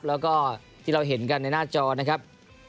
แล้วก็ที่เราเห็นกันในหน้าจอนะครับ